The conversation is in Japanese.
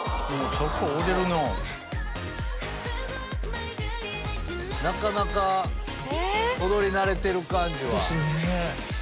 踊るなぁ。なかなか踊り慣れてる感じは。